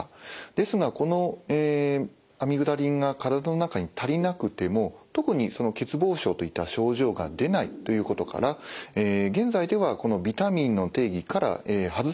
ですがこのアミグダリンが体の中に足りなくても特に欠乏症といった症状が出ないということから現在ではこのビタミンの定義から外されています。